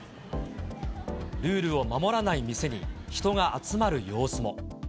ルールを守らない店に人が集まる様子も。